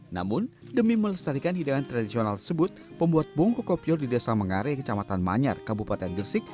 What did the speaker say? namun demi melestarikan hidangan tradisional tersebut pembuat bungku kopior di desa mengare kecamatan manyar kabupaten gersik